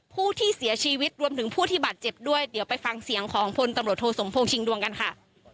ผู้ที่เสียชีวิตรวมถึงผู้ที่บาดเจ็บด้วยเดี๋ยวไปฟังเสียงของพลตำรวจโทสมพงษิงดวงกันค่ะ